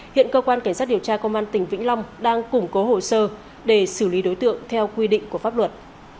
hiện cơ quan cảnh sát điều tra công an tỉnh vĩnh long đang củng cố hồ sơ để xử lý đối tượng theo quy định của pháp luật